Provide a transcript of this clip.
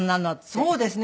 そうですね。